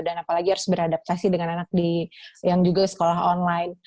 dan apalagi harus beradaptasi dengan anak yang juga sekolah online